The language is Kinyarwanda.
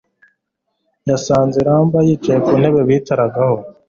Yasanze Ramba yicaye ku ntebe bicaragaho